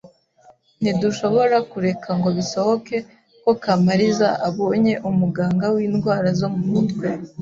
Ntidushobora kureka ngo bisohoke ko Kamaliza abonye umuganga windwara zo mumutwe.